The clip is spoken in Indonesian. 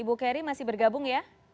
ibu keri masih bergabung ya